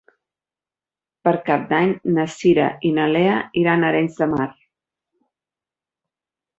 Per Cap d'Any na Cira i na Lea iran a Arenys de Mar.